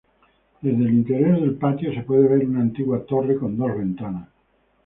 Desde el interior del patio se puede ver una antigua torre con dos ventanas.